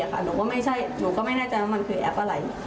หนูก็ไม่ใช่หนูก็ไม่แน่ใจว่ามันคือแอปอะไร